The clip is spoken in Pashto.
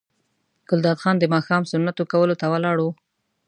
ګلداد خان د ماښام سنتو کولو ته ولاړ و.